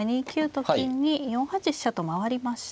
と金に４八飛車と回りました。